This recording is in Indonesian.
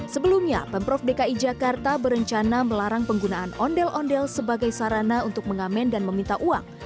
sebelumnya pemprov dki jakarta berencana melarang penggunaan ondel ondel sebagai sarana untuk mengamen dan meminta uang